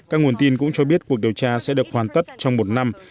các nguồn tin cũng cho biết cuộc điều tra sẽ được hoàn tất trong một năm